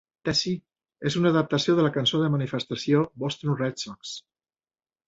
"Tessie" és una adaptació de la cançó de manifestació Boston Red Sox.